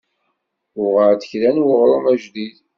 Uɣeɣ-d kra n weɣrum ajdid.